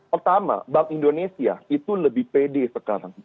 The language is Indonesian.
pertama bank indonesia itu lebih pede sekarang